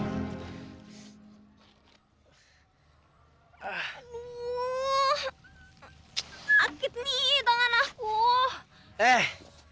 lesek lu ah